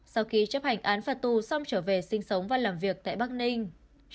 sau khi chấp hành án phạt tù xong trở về sinh sống và làm việc tại bắc ninh